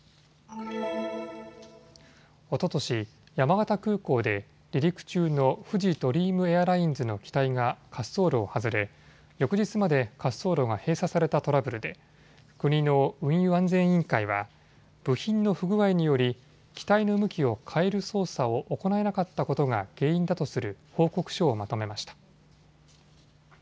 おととし山形空港で離陸中のフジドリームエアラインズの機体が滑走路を外れ翌日まで滑走路が閉鎖されたトラブルで国の運輸安全委員会は部品の不具合により機体の向きを変える操作を行えなかったことが原因だとする報告書をまとめました。